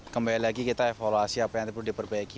kembali lagi kita evaluasi apa yang perlu diperbaiki